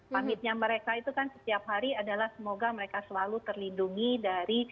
pamitnya mereka itu kan setiap hari adalah semoga mereka selalu terlindungi dari